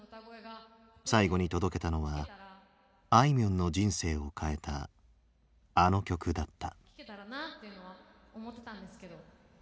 最後に届けたのはあいみょんの人生を変えたあの曲だった。